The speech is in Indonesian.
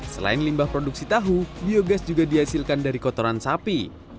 selain limbah produksi tahu biogas juga dihasilkan dari kotoran sapi